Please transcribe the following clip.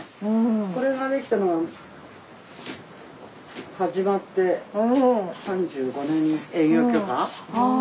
これが出来たのが始まって３５年営業許可。